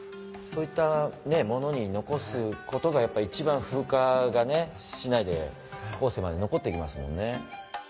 そういったものに残すことが一番風化がしないで後世まで残っていきますもんね。